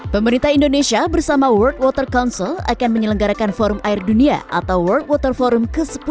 pemerintah indonesia bersama world water council akan menyelenggarakan forum air dunia atau world water forum ke sepuluh